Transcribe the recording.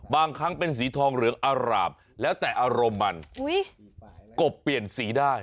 บางครั้งเป็นสีทองเหลืองอารามแล้วแต่อารมณ์มันกบเปลี่ยนสีได้